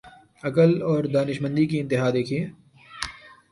عقل اور دانشمندی کی انتہا دیکھیے۔